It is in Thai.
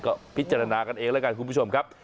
ก็พิจารณากันเองแล้วกันคุณผู้ชมครับ